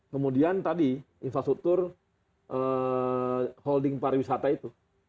kemudian tadi infrastruktur holding pariwisata itu